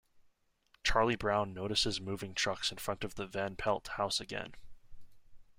Charlie Brown notices moving trucks in front of the Van Pelt house again.